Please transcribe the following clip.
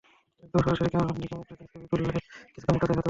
একদম সরাসরি ক্যামেরার দিকে মুখ রেখে ছবি তুললে কিছুটা মোটা দেখাতে পারে।